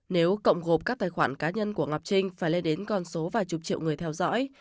nếu cộng gộp các tài khoản cá nhân của ngọc trinh phải lên đến con số vài chục triệu người theo dõi